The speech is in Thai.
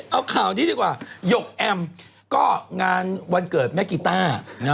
เอาข่าวนี้ดีกว่าหยกแอมก็งานวันเกิดแม่กีต้า